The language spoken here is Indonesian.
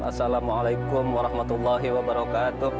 assalamualaikum warahmatullahi wabarakatuh